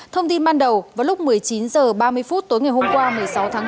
thông tin ban đầu vào lúc một mươi chín h ba mươi phút tối ngày hôm qua một mươi sáu tháng bốn